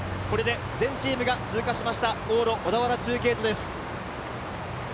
これで全チームが通過しました、往路、小田原中継所です。